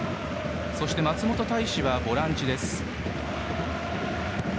そして松本泰志はボランチ。